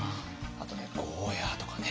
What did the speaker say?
あとねゴーヤーとかね。